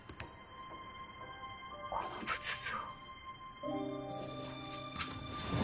この仏像。